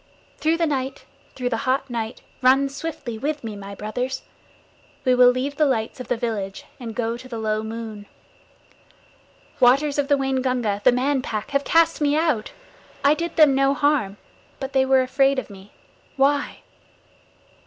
Through the night, through the hot night, run swiftly with me, my brothers. We will leave the lights of the village and go to the low moon. Waters of the Waingunga, the Man Pack have cast me out. I did them no harm, but they were afraid of me. Why?